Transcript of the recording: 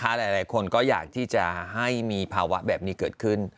หลายคนก็อยากที่จะให้มีภาวะแบบนี้เกิดขึ้น